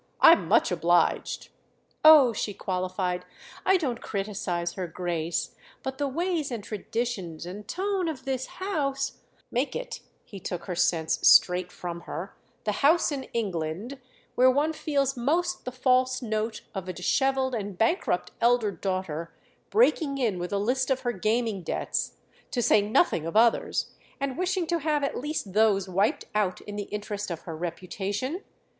"I'm much obliged!" "Oh," she qualified, "I don't criticise her Grace; but the ways and traditions and tone of this house——" "Make it"—he took her sense straight from her—"the house in England where one feels most the false note of a dishevelled and bankrupt elder daughter breaking in with a list of her gaming debts—to say nothing of others!—and wishing to have at least those wiped out in the interest of her reputation?